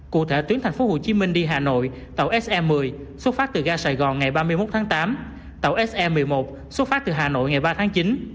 cụ thể tuyến thành phố hồ chí minh đi hà nội tàu se một mươi xuất phát từ ga sài gòn ngày ba mươi một tháng tám tàu se một mươi một xuất phát từ hà nội ngày ba tháng chín